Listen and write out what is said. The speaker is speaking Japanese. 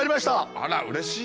あらうれしい！